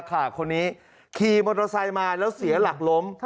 ใครเคยขี้มอเตอร์ไซต์มาเสียหลักล้ม